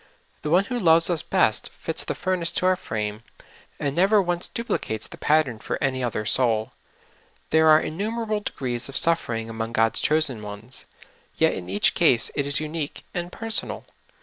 The One who loves us best fits the furnace to our frame, and never once duplicates the pattern for any other soul. There are innumerable de grees of suffering among God's chosen ones, yet in each case it is unique and personal.